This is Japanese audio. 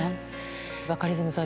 バカリズムさん